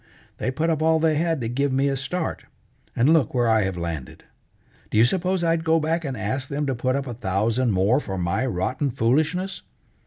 They put up all they had to give me a start, and look where I have landed! Do you suppose I'd go back and ask them to put up a thousand more for my rotten foolishness?"